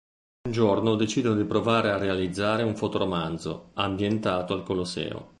Un giorno decidono di provare a realizzare un fotoromanzo, ambientato al Colosseo.